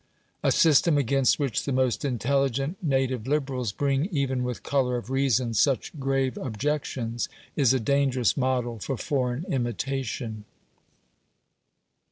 A system against which the most intelligent native liberals bring even with colour of reason such grave objections, is a dangerous model for foreign imitation.